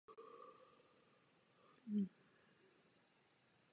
Narodila se v kanadské provincii Alberta v rodině letce.